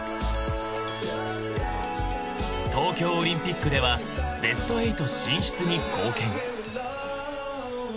［東京オリンピックではベスト８進出に貢献］